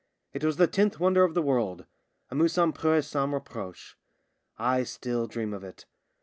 It was the tenth wonder of the world — a mousse sans fieur et sans reproche. I still dream of it.